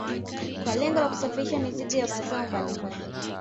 Kwa lengo la kusafirisha mizigo ya mazao mbalimbali